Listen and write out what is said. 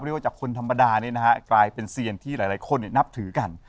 ว่าจากคนธรรมดานี่นะฮะกลายเป็นเซียนที่หลายคนนับถือกัน